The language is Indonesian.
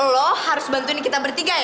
lo harus bantuin kita bertiga ya